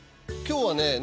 今日はね